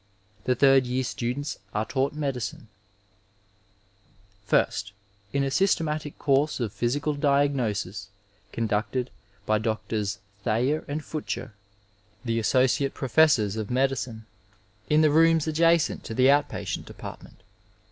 The ihiid year studentB are taught medicine: Firsts in a ByBtematio course of physical diagnosis con ducted by Dts. Thayer and Futcher, the Associate Professors of Medicine, in the rooms adjacent to the out patient department.